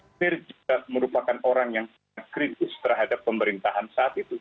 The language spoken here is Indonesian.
clear juga merupakan orang yang kritis terhadap pemerintahan saat itu